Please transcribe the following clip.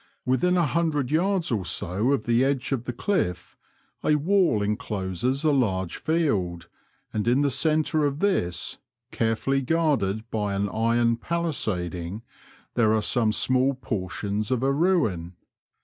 Within a hundred yards or so of the edge of the cliff a wall encloses a large field, and in the centre of this, carefully guarded by an iron palisading, there are some small portions of a ruin.